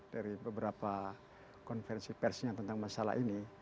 dari beberapa konferensi persnya tentang masalah ini